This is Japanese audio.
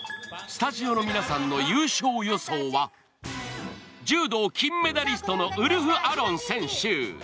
スタジオの皆さんの優勝予想は柔道金メダリストのウルフ・アロン選手。